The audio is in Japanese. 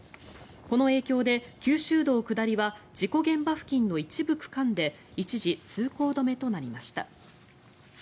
この影響で九州道下りは事故現場付近で一時通行止めとなりました。